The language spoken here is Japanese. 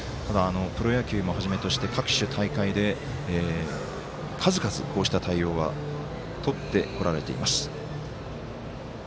プロ野球もはじめとして各種大会で、数々こうした対応はとってこられています。